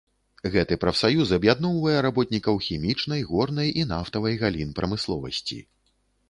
Гэты прафсаюз аб'ядноўвае работнікаў хімічнай, горнай і нафтавай галін прамысловасці.